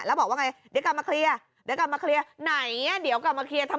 แล้วบอกว่าไงเดี๋ยวกลับมาเคลียร์